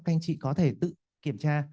các anh chị có thể tự kiểm tra